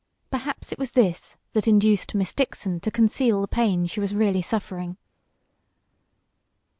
Perhaps it was this that induced Miss Dixon to conceal the pain she was really suffering.